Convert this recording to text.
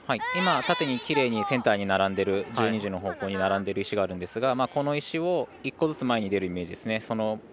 今、縦にきれいにセンターに並んでいる１２時の方向に並んでいる石があるんですがこの石が１個ずつ前に出るイメージです。